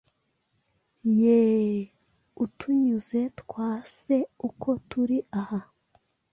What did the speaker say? Yeee, utunyuze twase uko turi aha